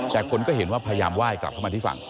แต่คนก็เห็นว่าพยายามไหว้กลับเข้ามาที่ฝั่ง